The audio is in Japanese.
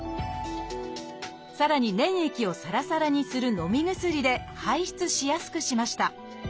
さらに粘液をサラサラにするのみ薬で排出しやすくしました。